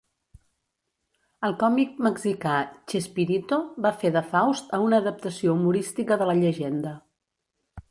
El còmic mexicà Chespirito va fer de Faust a una adaptació humorística de la llegenda.